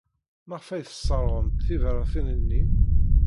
Maɣef ay tesserɣemt tibṛatin-nni?